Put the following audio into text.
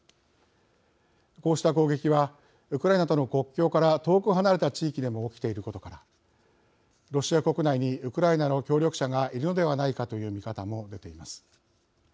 こうした攻撃は、ウクライナとの国境から遠く離れた地域でも起きていることからロシア国内にウクライナの協力者がいるのではないかという見方も出ています。